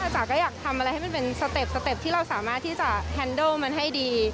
จ๋าก็อยากทำอะไรให้มันเป็นสเต็ปสเต็ปที่เราสามารถที่จะแฮนโดมันให้ดี